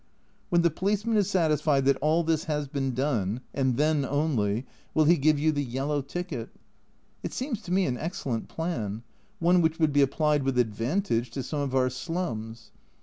When the policeman is satisfied that all this has been done, and then only, will he give you the yellow ticket. It seems to me an excellent plan one which would be applied with advantage to some of our slums.